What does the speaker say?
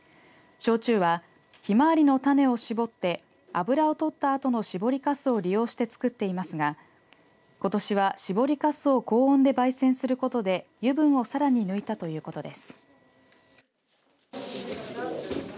焼酎は、ひまわりの種を搾って油をとったあとの搾りかすを利用して作っていますがことしは、搾りかすを高温でばい煎することで油分をさらに抜いたということです。